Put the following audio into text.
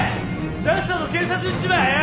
さっさと警察撃っちまえよ！